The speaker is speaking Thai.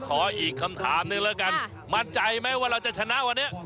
ขออีกคำถามหนึ่งแล้วกันมั่นใจไหมว่าเราจะชนะวันนี้